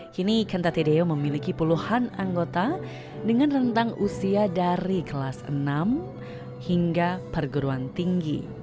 kini ikan tatedeo memiliki puluhan anggota dengan rentang usia dari kelas enam hingga perguruan tinggi